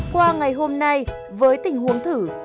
qua ngày hôm nay với tình huống thử